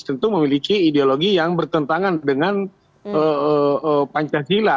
tentu memiliki ideologi yang bertentangan dengan pancasila